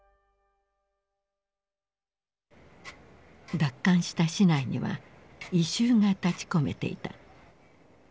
奪還した市内には異臭が立ちこめていた。